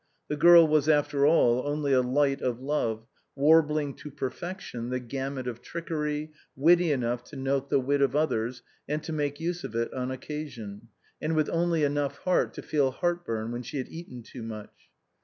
The girl was after all only a light of love, warbling to perfection the gamut of trickery, witty enough to note the wit of others and to make use of it on occasion, and with only enough heart to feel heartburn when she had eaten too much.